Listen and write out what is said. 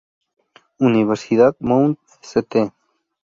Universidad Mount St.